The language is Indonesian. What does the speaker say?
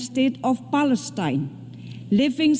negara negara palestina yang terhutang